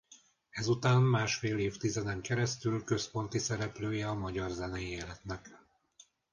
Ezután másfél évtizeden keresztül központi szereplője a magyar zenei életnek.